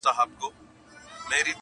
بخته راته یو ښکلی صنم راکه,